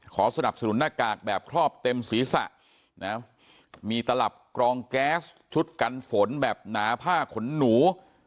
สนับสนุนหน้ากากแบบครอบเต็มศีรษะนะมีตลับกรองแก๊สชุดกันฝนแบบหนาผ้าขนหนู